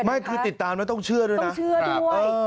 ไม่คือติดตามแล้วต้องเชื่อด้วยนะเชื่อครับ